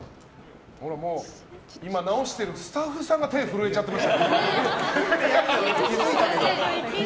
直してるスタッフさんが手震えちゃってる。